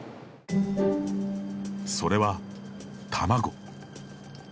それは、卵。